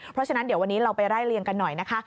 เพราะฉะนั้นเดี๋ยววันนี้เราไปไล่เลี่ยงกันหน่อยนะคะ